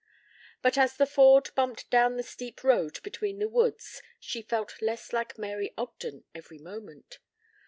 But as the Ford bumped down the steep road between the woods she felt less like Mary Ogden every moment